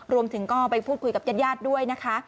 รวมถึงก็ไปพูดคุยกับญาติญาติด้วยนะคะ